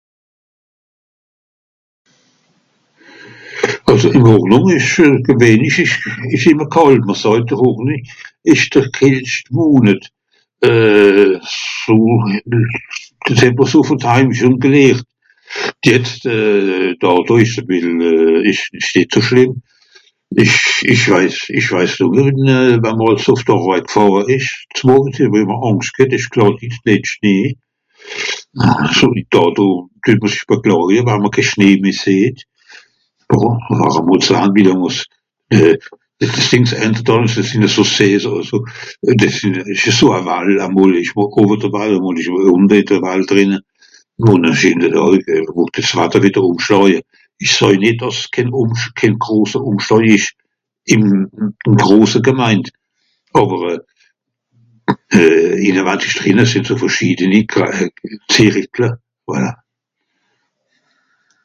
Àlso ìm Hornùng ìsch gewenlich ìsch... ìsch ìmmer kàlt, mr sàjt de Hornùng ìsch de kältscht Monet so... dìs het mr so vùn d'heim schon gelhert. Jetz dàto ìsch e bìssel ìsch nìt so schlìmm. Ìch... Ìch weis...ìch weis do noch ìn... wa'mr àls ìn d'Àrweit gfàhre ìsch zmorje (...) Àngscht ghet ìsch Glàttis (...). So Dàto düet mr sich beklàje waj mr ké Schnee meh sìeht. Warùm, ware mr sahn (...). Ìch sàj nìt, dàss kén (...)... kén grose (...) ìsch ìm...ìm grose Gemeind, àwer (...) sìnn so verschiedeni Zìrickle.